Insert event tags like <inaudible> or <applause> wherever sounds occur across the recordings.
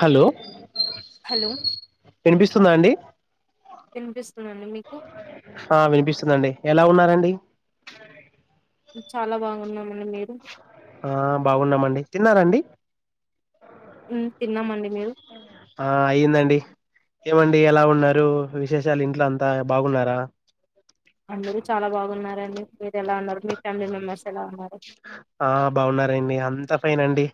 Hello hello వినిపిస్తుందా అండి వినిపిస్తుందండి మీకు ఆ వినిపిస్తుందండి ఎలా ఉన్నారు అండి చాలా బాగున్నాం ఆ బాగున్నామండి తిన్నారా అండి హ్మ్ తిన్నామండి మీరు ఆ అయిందండీ ఏమండి ఎలా ఉన్నారు విశేషాలు ఇంట్లో అంతా బాగున్నారా అందరూ చాలా బాగున్నారండి మీరు ఎలా ఉన్నారు మీ ఫ్యామిలీ మెంబర్స్ ఎలా ఉన్నారు ఆ బాగున్నారండి అంత ఫైనండి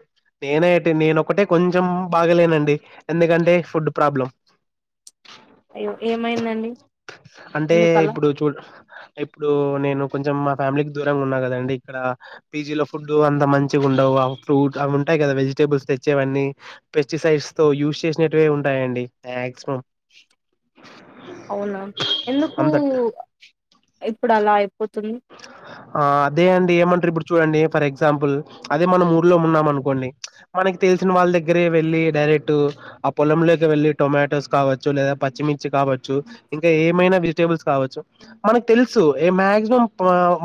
నేనేటి నేనొక్కటే కొంచెం బాగలేనండి ఎందుకంటే ఫుడ్ ప్రాబ్లం అయ్యో ఏమైందండి అంటే ఎందుకలా ఇప్పుడు చూ ఇప్పుడు నేను కొంచెం మా ఫ్యామిలీకి దూరంగా ఉన్నా కదండి ఇక్కడ పీజీ లో ఫుడ్ అంత మంచిగా ఉండవు ఫ్రూట్ అవి ఉంటాయి కదా వెజిటబుల్స్ తెచ్చేవన్నీ పెస్టిసైడ్స్ తో యూజ్ చేసినట్వే ఉంటాయండి మాక్సిమం అవునా ఎందుకు అంత ఇప్పుడు అలా అయిపో ఆ అదే అండి ఏమంటరు ఇప్పుడు చూడండి ఫర్ ఎగ్జాంపుల్ అదే మనం ఊర్లో ఉన్నాం అనుకోండి మనకి తెలిసిన వాళ్ళ దగ్గరే వెళ్ళి డైరెక్ట్ ఆ పొలంలోకి వెళ్ళి టొమాటోస్ కావచ్చు లేదా పచ్చిమిర్చి కావచ్చు ఇంకా ఏమైనా వెజిటేబుల్స్ కా కావచ్చు మనకు తెలుసు ఏ మాక్సిమం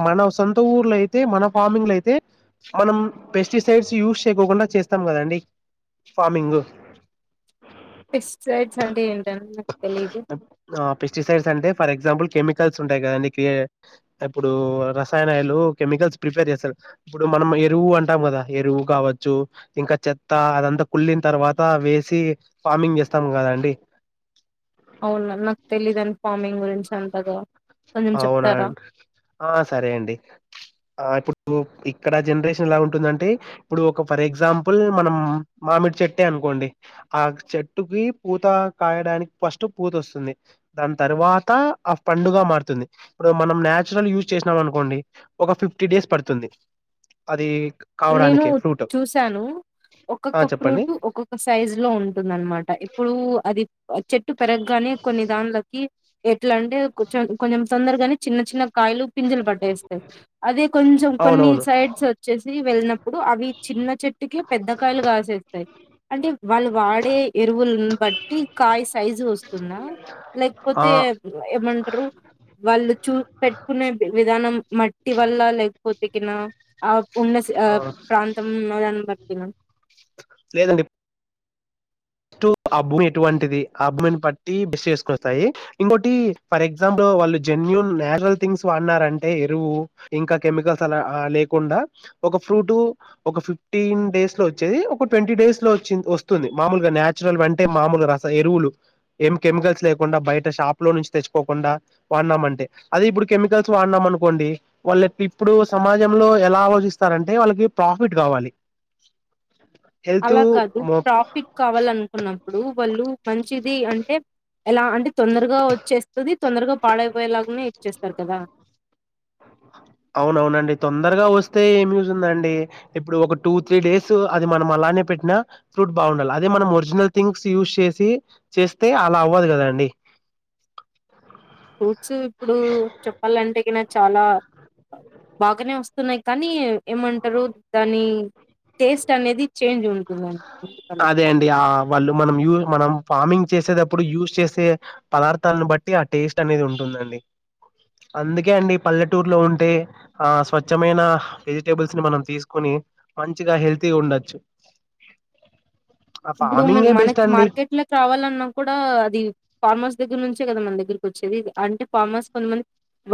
మన సొంత ఊర్లో అయితే మన ఫార్మింగ్ లో అయితే మనం పెస్టిసైడ్స్ యూజ్ చేయ కుండా చేస్తాం కదండి ఫార్మింగు పెస్టిసైడ్స్ అంటే ఏంటండి నాకు తెలీదు ఆ! పెస్టిసైడ్స్ అంటే ఫర్ ఎగ్జాంపుల్ కెమికల్స్ ఉంటయి కదండి కే ఇప్పుడు రసాయనాలు కెమికల్స్ ప్రిపేర్ చేస్తారు ఇప్పుడు మనం ఎరువు అంటాం కదా ఎరువు కావ చ్చు ఇంకా చెత్త అదంతా కుళ్లిన తర్వాత వేసి ఫార్మింగ్ చేస్తాం కదండి అవునా నాకు తెలీదండి ఫార్మింగ్ గురించి అంతగా కొంచెం అవునా చెప్తారా ఆ సరే అండి ఆ ఇప్పు ఇక్కడ జనరేషన్ ఎలా ఉంటుందంటే ఇప్పుడు ఒక ఫర్ ఎగ్జాంపుల్ మనం మామిడి చెట్టే అ అనుకోండి ఆ చెట్టుకి పూత కాయడానికి ఫస్ట్ పూత వస్తుంది దాని తర్వాత త ఆ పడుగగా మారుత ఇప్పుడు మనం నచురల్ యూజ్ చేసినాం అనుకోండి ఒక ఫిఫ్టీ డేస్ పడుతుంది అది నేను కావడానికి ఫ్రూట్ చూసాను ఆ ఒక్కొక్క చెప్పండి ఫ్రూట్ ఒక్కొక్క సైజ్ లో ఉంటుందనమాట ఇప్పుడు అది చెట్టు పెరగగానే కొన్ని దాన్లకి ఎట్లా అంటే కొంచెం కొంచెం తొందర కాని చిన్న చిన్న కాయలు పింజలు పట్టేస్తాయి అదే కొంచెం కొన్ని అవునవును సైడ్స్ వచ్చే వెళ్ళినప్పుడు అవి చిన్న చెట్టుకి పెద్దకాయలు కాసేస్తాయి అంటే వాళ్ళు వాడే ఎరువుని బట్టి కాయ సైజు వస్తుంద ఆ లేకపోతే ఏమంటారు వాళ్ళు చూ పెట్టుకునే విధానం మట్టి వల్ల లేకపోతే కిన ఆ ఉన్నస్ ఆ ప్రాంతం నదాన వటిన లేదండి అబ్బ ఎటువంటిది అబ్ని బట్టి బెస్ చేసుకొస్తాయి ఇంకోటి ఫర్ ఎగ్జాంపుల్ వాళ్ళు జెన్యుూన్ నాచురల్ థింగ్స్ వాన్నారంటే ఎరువు ఇంకా కెమికల్స్ అలా లేకుండా ఒక ఫ్రూట్ ఒక ఫిఫ్టీన్ డేస్ లో వచ్చేది ఒక ట్వంటీ డేస్ లో వచ్చి వస్తుంది మామూలుగాచు నాంట మాలు రస ఎరువులు ఏం కెమికల్స్ లేకుండా బయట షాప్ లో నుంచి తెచ్చుకోకుండా వాడిన్నా అంటే అదే ఇప్పుడు కెమికల్స్ వాడినాం అనుకోండి వాళ్ళు ఇప్పుడు సమాజంలో ఎలా ఆలోచిస్తార అంటే వాళ్ళకి ప్రాఫిట్ కావాలి <unintelligible> హెల్త్ అలా కాదు ట్రాఫిక్ కావాలను ఉన్నప్పుడు వాళ్ళు మంచిది అంటే ఎలా అంటే తొందరగా వచ్చేస్తుది తొందరగా పాడైపోయేలాగానే ఇచ్చేస్తారు కదా అవునవునండి తొందర వస్తే ఏం యూజందండి ఇప్పుడు ఒక టూ త్రీ డేస్ అది మనం అలానే పెట్టినా ఫ్రూట్ బాగుండాలి అదే మనం ఒరిజినల్ థింగ్స్ యూజ్ చేసి చేస్తే అలా అవ్వదు కదా అండి ఫ్రూట్స్ ఇప్పుడు చెప్పాలంటే ఇ నా చాలా బాగానే వస్తున్నాయి కానీ ఏమంటారు దాని టేస్ట్ అనేది చేంజ్ ఉంటున్నాను అదే అండి ఆ వాళ్ళు మనం యూ మనం ఫార్మింగ్ చేసేటప్పుడు యూస్ చేసే పదార్థాలను బట్టి ఆ టేస్ట్ అనేది ఉంటుందండి అందుకే అండి పల్లెటూరులో ఉంటే ఆ స్వచ్ఛమైన వెజిటేబుల్స్ ని మనం తీసుకుని మంచిగా హెల్తీగా ఉండొచ్చు <unintelligible> ఆ ఇప్పుడు ఫార్మింగే బెస్ట్ మనకి అండి. మార్కెట్ లోకి రావాలన్నా కూడా అది ఫార్మర్స్ దగ్గర నుంచి కదా మన దగ్గకి వచ్చేది అంటే ఫామ్ హౌస్ కొంతమంది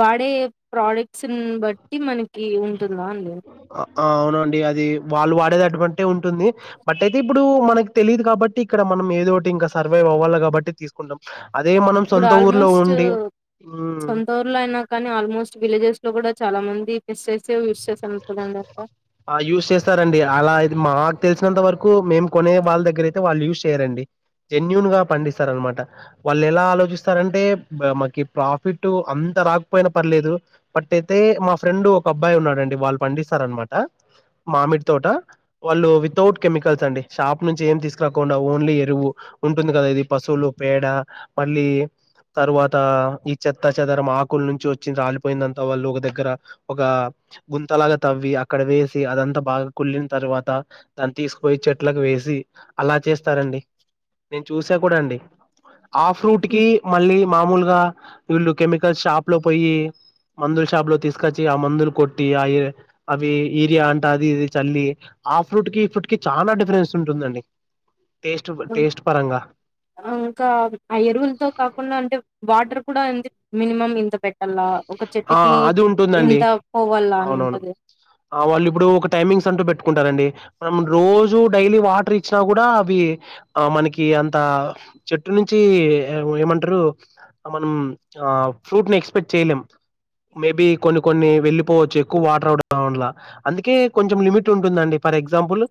వాడే ప్రోడక్ట్స్ బట్టి మనకి ఉంటుందా అండి అవునండి అది వాళ్ళు వాడేది అటువంటి ఉంటుంది బట్ అయితే ఇప్పుడు మనకి తెలీదు కాబట్టి ఇక్కడ మనం ఏదో ఒకటి ఇంకా సర్వై అవ్వాలి కాబట్టి తీసుకు కుంట ఇప్పుడు ఆల్మోస్ట్ హ్మ్. సొంత ఊరు లో అయినా కానీ ఆల్మోస్ట్ విలేజెస్ లో కూడా చాలా మంది మిస్ చేసే యూస్ చేస్త ఆ యూస్ చేస్తారండి అలాది మా ఆకు తెలు వచ్చినంత వరకు మేము కొనే వాళ్ళ దగ్గర అతే వాళ్ళు యూజ్ చేయరండి జెన్యుూన్ గా పండిస్తార అనమాట వాళ్ళు ఎలా ఆలోచిస్తారంటే మాకి ప్రాఫిట్ అ రాకపోయిన పర్లేదు పట్ అయితే మా ఫ్రెండ్ ఒక అబ్బాయి ఉన్నాడండి వాళ్ళు పండిస్తారనమాట మామిడి తోట వాళ్ళు వితౌట్ కెమికల్స్ అండి షాప్ నుంచి ఏం తీసుకు కాకుండా ఓన్లీ ఎరువు ఉంటుంది కదా ఇది పశువులు పేడ పల్లి తరువాత ఈ చెత్త చెదరం ఆకుల నుంచి వచ్చింది రాలిపోయిందంతా వాళ్ళు ఒక దగ్గర ఒక గు త్తలాగా తవ్వి అక్కడ వేసి అదంతా బాగా కుళ్లిన తర్వాత దాన్ని తీసుపోయి చెట్లకు వేసి అలా చేస్తారండి నేను చూసా కూడా అండి ఆఫ్ రూట్ హ్మ్. కి మళ్ళీ మామూలుగా వీళ్ళు కెమికల్ షాప్ లో పోయి మందులు షాప్ లో తీసుకొచ్చి ఆ మందులు కొట్టి ఆ అవి ఈరియా అంట అది ఇది చల్లి ఆ ఫ్రూట్ కి ఈ ఫ్రూట్ కి చాలా డిఫరెన్స్ ఉంటుందండి టేస్ట్ టేస్ట్ పరంగా ఇంకా అయరువులతో కాకుండా అంటే వాటర్ కూడ ఏంది మినిమం ఇంత పెట్టాల ఆ అది ఉంటుందండి పోవల్ల అని అవునవును ఉంటది ఆ వాళ్ళు ఇప్పుడు ఒక టైమింగ్స్ అంటూ పెట్టుకుంటారండి మనం రోజూ డైలీ వాటర్ ఇచ్చిన కూడా అవి ఆ మనకి అంత చెట్టు నుంచి ఏమంటారు మనం ఆ ఫ్రూట్ ని ఎక్స్పెక్ట్ చేయలేం మేబి కొన్ని కొన్ని వెళ్లిపోవచ్చు ఎక్కువ వాటర్ అవల అందుకే కొంచెం లిమిట్ ఉంటుందండి ఫర్ ఎగ్జాంపుల్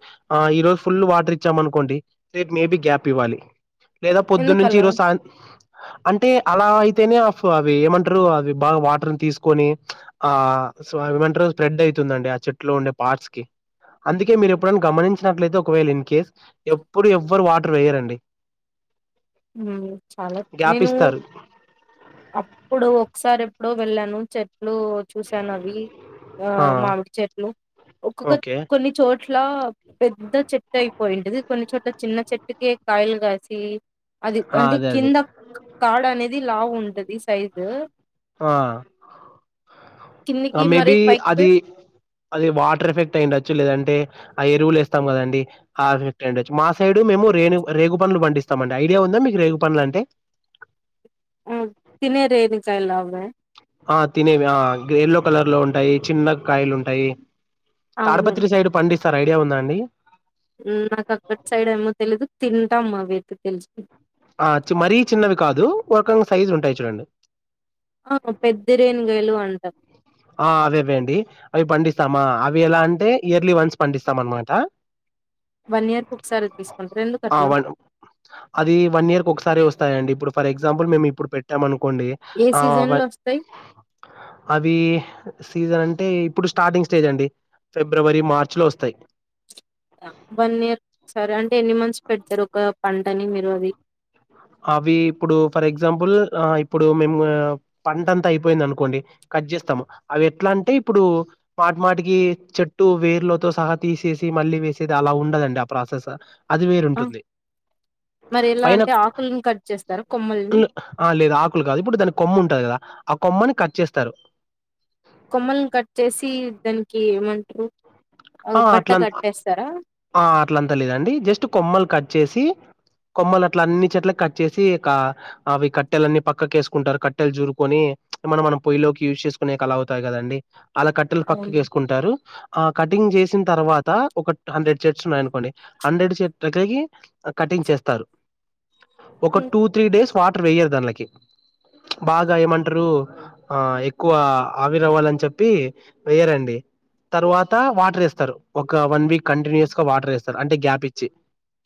ఈ రోజు ఫుల్ వాటర్ ఇచ్చామ అనుకోండి రేట్ మేబి గ్యాప్ ఇవ్వాలి లేదా పొద్దున్న నుంచి ఎందుకలా ఈరోజు సాయ అంటే అలా అయి <unintelligible> అవి ఏమంటారు అవి బాగా వాటర్ తీసుకొని ఆ ఏమంటరూ స్ప్రెడ్ అవుతుందండి ఆ చెట్టులో ఉండే పార్ట్స్ కి అందుకే మీరు ఎప్పుడైనా గమనించినట్లయితే ఒకవేళ ఇన్ కేస్ ఎప్పుడు ఎవ్వరు వాటర్ వేయరండి చాలా గ్యాప్ నేను ఇస్తారు. అప్పుడు ఒకసారి ఎప్పుడో వెళ్ళాను చెట్లు చూసాను అవి ఆ మామిడి చెట్లు ఒక్కొక్క ఓకే. కొన్ని చోట్ల పెద్ద చెట్టు అయిపో పోయింటిది కొన్ని చోట్ల చిన్న చెట్టుక కాయలు కాసి అది ఆ! అంటే అదే అదే. కింద కాడ్ అనేది లా ఉంటది సైజు ఆ కిందికి మరి మేబి పైకి అది పోయి అది వాటర్ ఎఫెక్ట్ అయిండచ్చు లేదంటే ఆ ఎరువులు వస్తాం కదం హచ్చ మా సైడ్ మేము రే రేగు పనులు పండిస్తామండి ఇద ఉందా మీకు రేగు పనుల అంటే ఆ తినే రదుకాయలా అ ఆ తినేవి ఆ ఎయల్లో కలర్ లో ఉంటాయి చిన్న కాయలు ఉంటాయి అవును తాడపత్రి సైడ్ పండిస్తారు ఐడియా ఉందా అండి నాకు అక్కడి సైడ్ ఏమో తెలీదు తింటాం మా వేతి తెలుసు ఆ మరీ చిన్నవి కాదు ఒకకంగా సైజు ఉంటాయి చూడండి ఆ పెద్ద రేను గయలు అంటారు ఆ అవి ఇవేండి అవి పండిస్తామా అవి ఎలా అంటే ఇయర్లీ వన్స్ పండిస్తాం అనమాట వన్ ఇయర్ కు ఒకసారి తీసుకుంటారు ఎందుకు ఆ అట్లా వన్ అది వన్ ఇయర్ క ఒకసారి వస్తాయండి ఇప్పుడు ఫర్ ఎగ్జాంపుల్ మేము ఇప్పుడు పెట్టామనుకోండి ఏ సీజన్ లో వస్తాయి అవి సీజన్ అంటే ఇప్పుడు స్టార్టింగ్ స్టేజ్ అండి ఫిబ్రవరి మార్చ్ లో వస్తాయి వన్ ఇయర్ సరే అంటే ఎన్ని మంత్స్ పెడతారు ఒక పంటని మీరు అది అవి ఇప్పుడు ఫర్ ఎగ్జాంపుల్ ఇప్పుడు మేము పంట అంతా అయిపోయింది అనుకోండి కట్ చేస్తాము అవి ఎట్లా అంటే ఇప్పుడు మాటి మాటికి చెట్టు వేర్లతో సహా తీసేసి మళ్ళీ వేసేది అలా ఉండదండి ఆ ప్రాసెస్ అది ఆ! వేరుంటుంది మరి ఎలా పైన అంటే ఆకులను కట్ చేస్తారా కొమ్మల్ని ఆ లేదు ఆకులు కాదు ఇప్పుడు దానికి కొమ్ము ఉంటంది కదా ఆ కొమ్మని కట్ చేస్తారు కొమ్మని కట్ చేసి దానికి ఏమంటారు ఆ ఆహ్, బట్ట అట్లంత కట్టేస్తారా ఆ అట్లంతా లేదండి జస్ట్ కొమ్మలు కట్ చేసి కొమ్మలు అట్ల అన్ని చెట్ల కట్ చేసి ఇక అవి కట్టెలు అన్ని పక్కకేసుకుంటారు కట్టెలు చూరుకొని చ్ మనం మనం పొయ్యి లోకి యూజ్ చేసుకునే కలా అవుతాయి కదండి అలా కట్టెలు పక్కకు అవును ఏసుకుంటారు ఆ కట్ కటింగ్ జేసిన్ తర్వాత, ఒక ట్ హండ్రెడ్ చెట్స్ ఉన్నాయి అనుకోండి. హండ్రెడ్ చెట్ దగ్గరికి కటింగ్ చేస్తారు. జేస్తారు. ఒక ఉ టూ త్రీ డేస్ వాటర్ వేయరు దాన్లకి. బాగా ఏమంటరూ, ఆ ఎక్కువ ఆవిరవ్వాలని చెప్పి వేయరండి. తర్వాత వాటర్ ఏస్తరు. ఒక వన్ వీక్ కంటిన్యూస్ గా వాటర్ ఏస్తరు, అంటే గ్యాప్ ఇచ్చి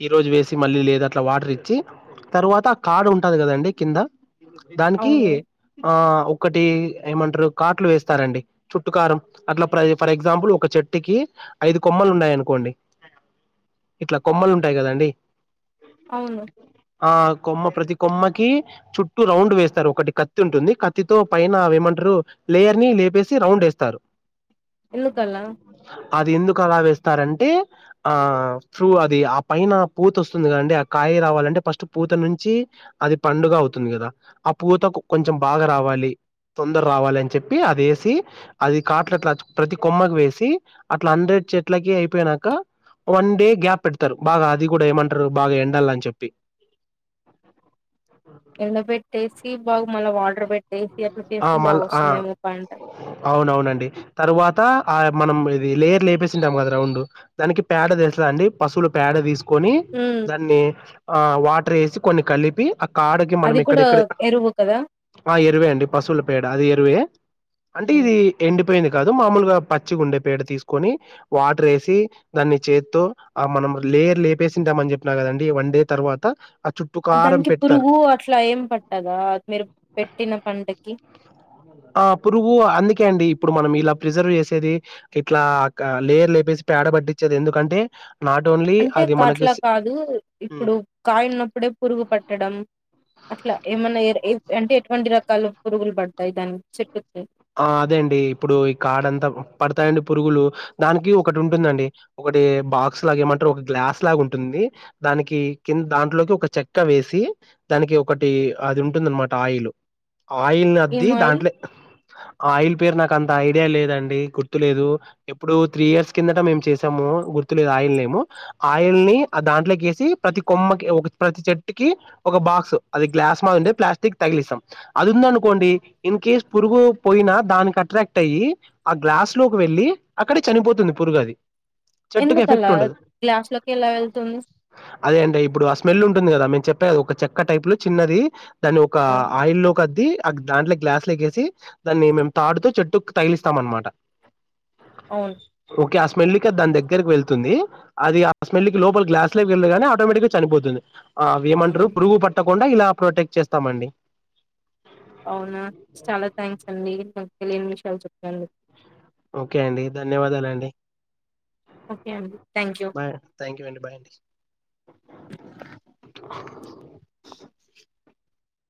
ఈ రోజు వేసి, మళ్లీ లేదు అట్లా వాటర్ ఇచ్చి, తర్వాత కాడు ఉంటది కదండి, కింద దానికి, అవును ఆ ఒక్. ఒకటి ఏమంటరు కాట్లు వేస్తారండి, చుట్టు కారం అట్లా, ప్ర ఫర్ ఎగ్జాంపుల్ ఒక. చెట్టుకి ఐదు కొమ్మలు ఉన్నాయనుకోండి. ఇట్ల కొమ్మలు ఉంటాయి గాదండి, అవును ఆ కొమ్మ ప్రతి కొమ్మకి చుట్టూ రౌండ్ వేస్తరు, ఒకటి కత్తి ఉంటుంది. కత్తితో పైన అవి ఏమంటారు? లేయర్ ని. లేపేసి రౌండ్ ఏస్తారు. ఎందుకలా? అది ఎందుకు అలా వేస్తారన్? ఆ ఫ్రూ, అది ఆ పైన పూత వస్తుంది గాదండి, ఆ కాయ రావాలంటే ఫస్ట్ పూత నుంచి.. అది పండుగ అవుతుంది కదా, ఆ పూతకు కొంచెం బాగా రావాలి. తొందర రావాలని చెప్పి, అదేసి అది కాట్లట్లా ప్రతి కొమ్మకు వేస్. సి. అట్ల హండ్రెడ్ చెట్లకి, అయిపోయినాక. వన్ డే గ్యాప్ పెడతారు. బాగా అది కూడా ఏమంటారు? బాగా ఎండాలని చెప్పి.. ఎండబెట్టేసి. సీబాగు, మళ్లీ వాటర్ పెట్టేసి, అట్ల ఆ చేస్తే మళ్ళ ఆ బాగొస్తుందేమో పంట. అవునవునండి. తరువాత ఆ మనం ఇది లేయర్ లేపేసి ఉంటాం కదా, రౌండ్. దానికి పేడ తెల్సా అండి? పశువులు పేడ తీసుకు. కొని, హ్మ్. దాన్ని ఆ వాటర్ ఏసి, కొన్ని కలిపి అ. కాడకి మనం అది కూడా ఇక్కడిక్కడే. ఎరువు కదా ఆ ఎరువే అండి, పశువుల పేడ. అది ఎరువే అంటే, హ్మ్. ఇది ఎండిపోయినది. గాదు, మామలుగా పచ్చి గుండె పేడ తీసుకొని, వాటర్ ఏసి, దాన్ని చేత్తో ఆ మనం. లేయర్ లేపేసింటామని చెప్పిన గాదండి, వన్ డే తర్వాత.. ఆ చుట్టూ కారం దానికి పెడతారు. పురుగు అట్లా ఏం పట్టదా మీరు పెట్టిన పంటకి ఆ పురుగు, అందుకే అండి. ఇప్పుడు మనం ఇలా ప్రిజర్వ్ చేసేది, ఇట్లా క లేయర్ లేపేసి, పేడ పట్టిచేది ఎందుకంటే.. నాట్ ఓన్లీ అంటే అది మనకి కాట్లా స్ కాదు, హ్మ్. ఇప్పుడు కాయ ఉన్నప్పుడే పురుగు పట్టడం. అట్లా ఏమన్నా. ఏ ఏర్ అంటే ఎటువంటి రకాల పురుగులు పడతాయి దానికి, చెట్టుకి? ఆ అదే అండి. ఇప్పుడు ఈ కాడ అంతా పడతాయండి పురుగులు. దానికి ఒకటి ఉంటుందడి, ఒక. ఒకటి బాక్స్ లాగ ఏమంటరు, ఒక గ్లాస్ లాగ ఉంటుంది. దానికి కింద్, దాంట్లోకి ఒక చెక్క వేసి. దానికి ఒకటి, అది ఉంటుందన్నమాట. ఆయిల్, ఏం ఆయిల్నద్ది ఆయిల్ దాంట్లే. ఆ ఆయిల్ పేరు నాకు అంత ఐడియా లేదండి, గుర్తులేదు. ఎప్పుడో త్రీ ఇయర్స్ కిందట మేము చేసాము. గుర్తులేదు ఆయిల్ నేమ్. ఆ ఆయిల్‌ని ఆ దాంట్లోకి వేసి, ప్రతి కొమ్మకి, ప్రతి చెట్టుకి. ఒక బాక్స్, అది గ్లాస్ మాది ఉండే ప్లాస్టిక్ తగిలిస్తాం. అది ఉందనుకోండి, ఇన్ కేస్ పురుగు. పోయినా దానికి అట్రాక్ట్ అయ్యి, ఆ గ్లాస్‌లోకి వెళ్లి, అక్కడ చనిపోతుంది పురుగు అది. చెట్టుకి ఎఫెక్ట్ ఎందుకలా ఉండదు గ్లాస్‌లోకి ఎలా వెళ్తుంది? అదే అంటే, ఇప్పుడు ఆ స్మెల్ ఉంటుంది కదా, మేం చెప్.. తావ్ ఒక చెక్క టైప్ లో చిన్నది. దాన్ని ఒక్క ఆ! ఆయిల్ లో కద్దీ ఆ దాంట్లో గ్లాస్ల కేసి. దాన్ని మేము తాడుతో చెట్టుకు తగిలిస్తాం అన్నమాట. అవును. కి ఆ స్మెల్‌కి అది దాని దగ్గరకి వెళ్తుంది. అది ఆ స్మెల్‌కి లోపల గ్లాస్‌లోకి వెళ్లగానే ఆటోమేటిక్‌గా చనిపోతుంది. ఆ అవి ఏమంటారు, అవును పురుగు పట్టకుండా ఇలా ప్రొటెక్ట్ చేస్తామండి. అవునా, చాలా థ్యాంక్స్ అండి. నాకు తెలియని విషయాలు చెప్పినందుకు. ఓకే అండి, ధన్యవాదాలండి. ఓకే అండి thank you bye, thank you అండి, బై అండి.